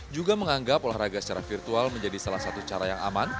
juga menganggap olahraga secara virtual menjadi salah satu cara yang aman